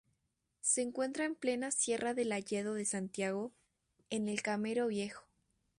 Se encuentra en plena "Sierra del Hayedo de Santiago" en el Camero Viejo.